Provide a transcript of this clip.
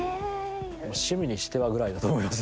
趣味にしてはぐらいだと思います。